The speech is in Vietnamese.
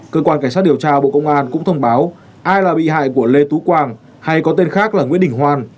cơ quan cảnh sát điều tra bộ công an cũng thông báo ai là bị hại của lê tú quang hay có tên khác là nguyễn đình hoan